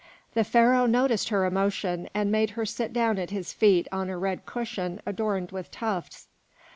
The Pharaoh noticed her emotion, and made her sit down at his feet on a red cushion adorned with tufts.